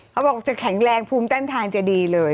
เขาบอกจะแข็งแรงภูมิต้านทานจะดีเลย